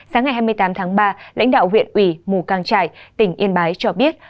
sáng ngày hai mươi tám tháng ba lãnh đạo viện ủy mù cang trại tỉnh yên bái cho biết